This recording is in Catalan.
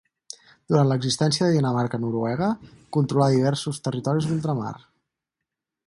Durant l'existència de Dinamarca-Noruega, controlà diversos territoris d'ultramar.